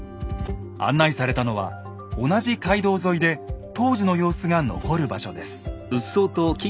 案内されたのは同じ街道沿いで当時の様子が残る場所です。